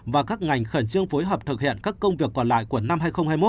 và các ngành khẩn trương phối hợp thực hiện các công việc còn lại của năm hai nghìn hai mươi một